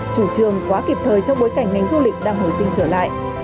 chủ trường quá kịp thời trong bối cảnh ngành du lịch đang hồi sinh trở lại